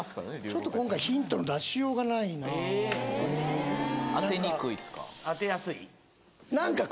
ちょっと今回ヒントの出しようがないな当てにくいっすか？